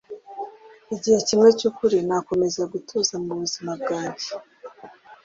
Igihe kimwe cyukuri nakomeza gutuza Mubuzima bwanjye